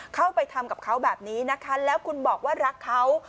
เข้าไปทำกับเขาแบบนี้นะคะแล้วคุณบอกว่ารักเขา